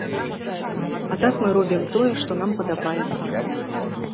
А так, мы робім тое, што нам падабаецца.